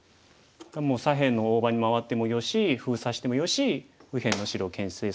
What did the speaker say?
もう左辺の大場に回ってもよし封鎖してもよし右辺の白をけん制するのもよし。